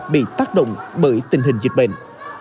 bị tác động bởi tình hình dịch bệnh